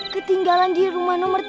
ketinggalan di rumah nomor tiga